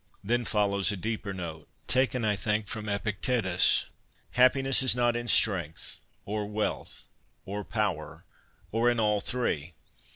Then follows a deeper note, taken, I think, from Epictetus :' Happiness is not in strength, or wealth or power, or all three.